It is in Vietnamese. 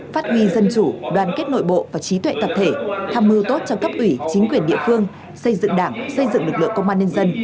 phát huy dân chủ đoàn kết nội bộ và trí tuệ tập thể tham mưu tốt cho cấp ủy chính quyền địa phương xây dựng đảng xây dựng lực lượng công an nhân dân